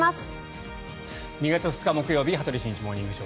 ２月２日、木曜日「羽鳥慎一モーニングショー」。